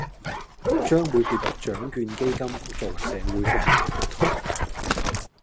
將會撥入獎卷基金作為社會福利用途